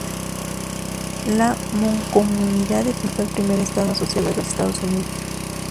La Mancomunidad de Filipinas fue el primer Estado asociado de los Estados Unidos.